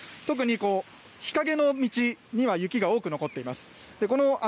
特に日陰の道には雪が多く残っています。